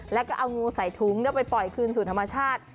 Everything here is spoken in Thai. แล้วก็เอางูใส่ถุงแล้วไปปล่อยคืนสู่ธรรมชาติ